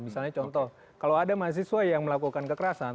misalnya contoh kalau ada mahasiswa yang melakukan kekerasan